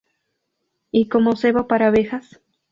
Y como cebo para abejas.